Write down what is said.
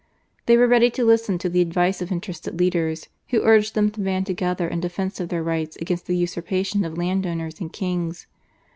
They were ready to listen to the advice of interested leaders, who urged them to band together in defence of their rights against the usurpation of land owners and kings.